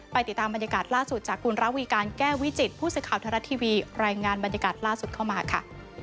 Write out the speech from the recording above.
ติดตามบรรยากาศล่าสุดจากคุณระวีการแก้วิจิตผู้สื่อข่าวไทยรัฐทีวีรายงานบรรยากาศล่าสุดเข้ามาค่ะ